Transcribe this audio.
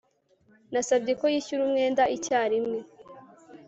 Nasabye ko yishyura umwenda icyarimwe